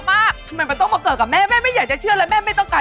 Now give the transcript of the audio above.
ทำไมมันต้องมาเกิดกับแม่แม่ไม่อยากจะเชื่อแล้วแม่ไม่ต้องการ